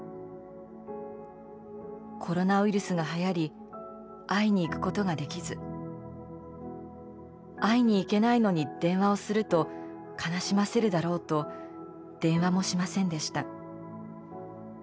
コロナウイルスが流行り会いに行くことが出来ず会いに行けないのに電話をすると悲しませるだろうと電話もしませんでした。